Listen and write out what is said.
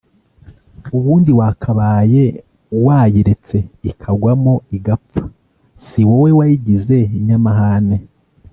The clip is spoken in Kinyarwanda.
ubundi wakabaye wayiretse ikagwamo igapfa si wowe wayigize inyamahane”